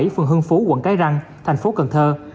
phường hưng phú quận cái răng thành phố cần thơ